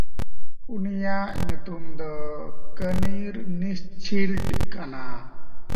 ᱩᱱᱤᱭᱟᱜ ᱧᱩᱛᱩᱢ ᱫᱚ ᱠᱟᱱᱤᱨᱱᱤᱥᱪᱷᱤᱞᱰ ᱠᱟᱱᱟ᱾